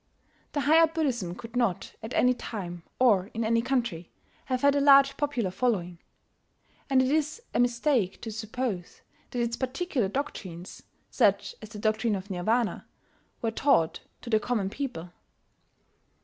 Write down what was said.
The higher Buddhism could not, at any time or in any country, have had a large popular following; and it is a mistake to suppose that its particular doctrines such as the doctrine of Nirvana were taught to the common people.